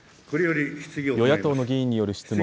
与野党の議員による質問。